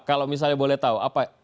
kalau misalnya boleh tahu